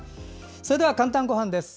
それでは「かんたんごはん」です。